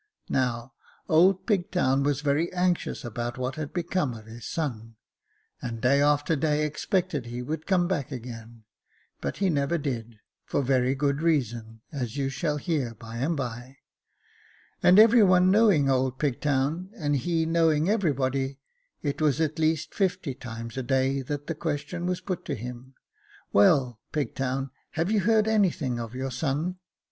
Now, old Pigtown was very anxious about what had come of his son, and day after day expected he would come back again , but he never did, for very good reasons, as you shall hear by and bye ; and every one knowing old Pigtown, and he knowing every body, it was at least fifty times a day that the question was put to him, ' "Well, Pigtown, have you heard anything of your son